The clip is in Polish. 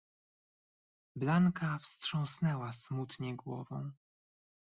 "Blanka wstrząsnęła smutnie głową."